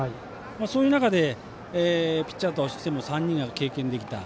そういう中で、ピッチャーとして３人が経験できた。